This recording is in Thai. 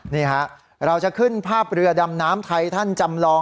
นี่ฮะเราจะขึ้นภาพเรือดำน้ำไทยท่านจำลอง